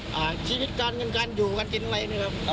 อยากให้มันการอยู่การกินอะไรเนี่ยครับ